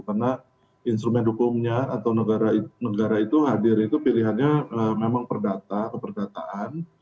karena instrumen hukumnya atau negara itu hadir itu pilihannya memang perdata keperdataan